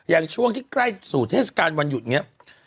อย่างช่วงที่ใกล้สู่เทศกาลวรรค์วันหยุด